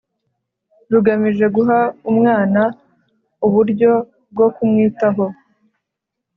rugamije guha umwana uburyo bwo kumwitaho